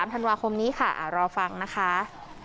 ธันวาคมนี้ค่ะรอฟังนะคะ